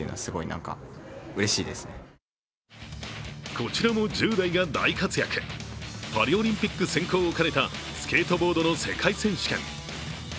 こちらも１０代が大活躍、パリオリンピック選考を兼ねたスケートボードの世界選手権。